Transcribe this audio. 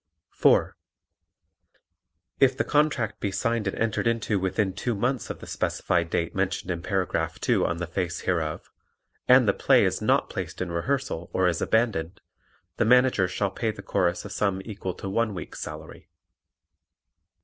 (4) If the contract be signed and entered into within two months of the specific date mentioned in paragraph 2 on the face hereof and the play is not placed in rehearsal or is abandoned, the Manager shall pay the Chorus a sum equal to one week's salary.